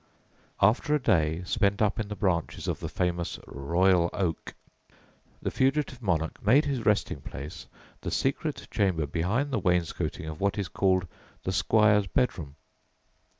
After a day spent up in the branches of the famous Royal Oak, the fugitive monarch made his resting place the secret chamber behind the wainscoting of what is called "the Squire's Bedroom."